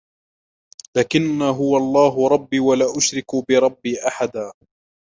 لَكِنَّا هُوَ اللَّهُ رَبِّي وَلَا أُشْرِكُ بِرَبِّي أَحَدًا